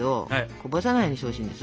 こぼさないようにしてほしいんです。